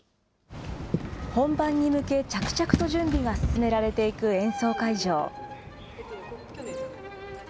本番に向け、着々と準備が進められていく演奏会場。